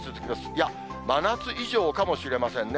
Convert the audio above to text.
いや、真夏以上かもしれませんね。